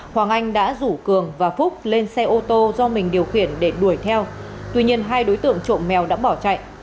hoàng anh đã rủ cường và phúc lên xe ô tô do mình điều khiển để đuổi theo tuy nhiên hai đối tượng trộm mèo đã bỏ chạy